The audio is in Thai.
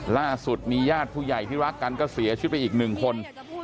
ล่าสุดมีญาติผู้ใหญ่ที่รักกันก็เสียชีวิตไปอีกหนึ่งคน